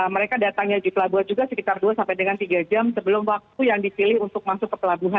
mereka datangnya di pelabuhan juga sekitar dua sampai dengan tiga jam sebelum waktu yang dipilih untuk masuk ke pelabuhan